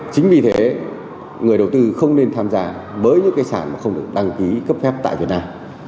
chính vì thế người đầu tư không nên tham gia với những cái sản mà không được đăng ký cấp phép tại việt nam